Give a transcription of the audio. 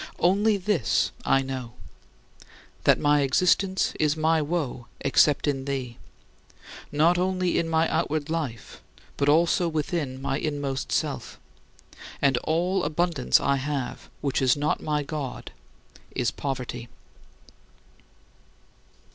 " Only this I know, that my existence is my woe except in thee not only in my outward life, but also within my inmost self and all abundance I have which is not my God is poverty.